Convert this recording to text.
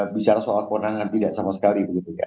bicara soal kewenangan tidak sama sekali